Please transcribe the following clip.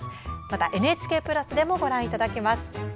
また、ＮＨＫプラスでもご覧いただけます。